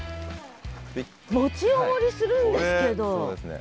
もちあまりするんですけど。